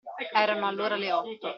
Erano allora le otto.